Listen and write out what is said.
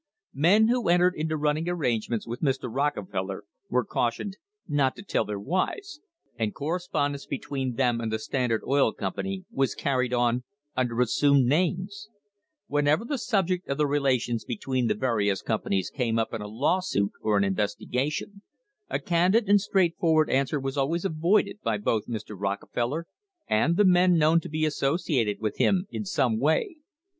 * Men who entered into running arrangements with Mr. Rockefeller were cautioned "not to tell their wives," and correspondence between them and the Standard Oil Company * See Appendix, Number 44. THE HISTORY OF THE STANDARD OIL COMPANY was carried on under assumed names! Whenever the subject of the relations between the various companies came up in a lawsuit or an investigation, a candid and straightforward answer was always avoided by both Mr. Rockefeller and the men known to be associated with him in some way.